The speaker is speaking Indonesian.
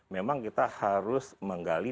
memang kita harus menggali